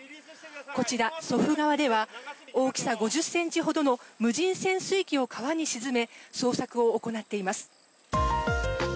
こちら祖父川では大きさ５０ｃｍほどの無人潜水機を川に沈め捜索を行っています。